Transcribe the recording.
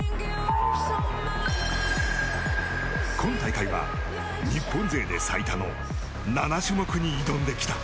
今大会は日本勢で最多の７種目に挑んできた。